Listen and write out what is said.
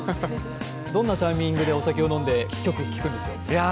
どんなタイミングでお酒を飲んで聴くんですか？